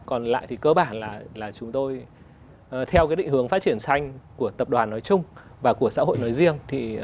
còn lại thì cơ bản là chúng tôi theo định hướng phát triển xanh của tập đoàn nói chung và của xã hội nói riêng